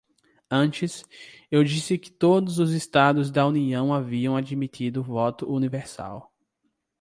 Antes, eu disse que todos os estados da União haviam admitido o voto universal.